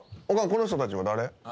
おかんこの人たちは誰？